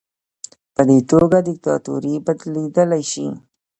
په دې توګه دیکتاتوري بدلیدلی شي.